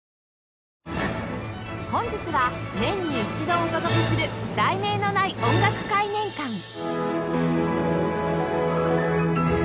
本日は年に一度お届けする「『題名のない音楽会』年鑑」